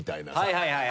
はいはいはい。